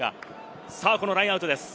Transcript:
このラインアウトです。